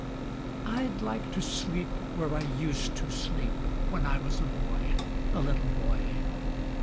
I'd like to sleep where I used to sleep When I was a boy, a little boy!